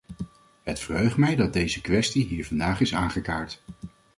Het verheugt mij dat deze kwestie hier vandaag is aangekaart.